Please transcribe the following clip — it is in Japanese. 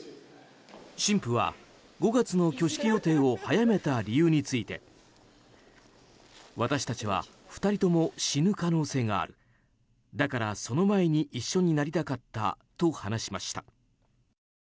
新婦は５月の挙式予定を早めた理由について私たちは２人とも死ぬ可能性があるだからその前に一緒になりたかったと話しました。